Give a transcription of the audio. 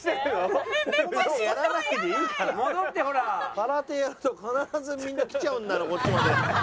空手やると必ずみんな来ちゃうんだなこっちまで。